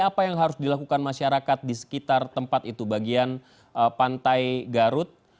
apa yang harus dilakukan masyarakat di sekitar tempat itu bagian pantai garut